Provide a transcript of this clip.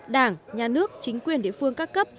đảng nhà nước chính quyền địa phương các cấp